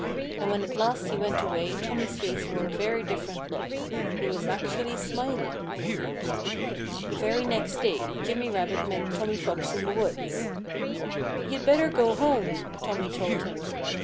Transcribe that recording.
And when at last he went away Tommy's face wore a very different look. He was actually smiling. The very next day Jimmy Rabbit met Tommy Fox in the woods. "You'd better go home!" Tommy told him.